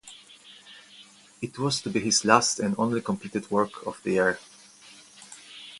It was to be his last and only completed work of the year.